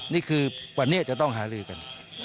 นี่คือวันนี้จะต้องหาลือกัน